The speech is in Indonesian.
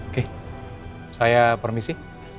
oke saya permisi